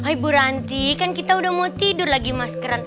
ibu ranti kan kita udah mau tidur lagi mas geron